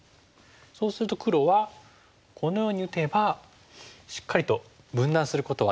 そうすると黒はこのように打てばしっかりと分断することはできました。